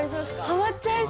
ハマっちゃいそう。